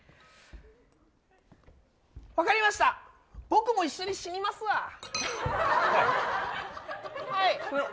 分かりました僕も一緒に死にますわ。